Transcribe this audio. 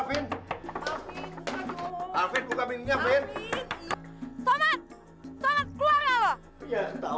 arvin buka bintunya arvin